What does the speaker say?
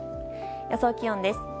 予想気温です。